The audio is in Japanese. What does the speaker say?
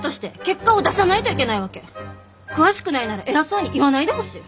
詳しくないなら偉そうに言わないでほしい。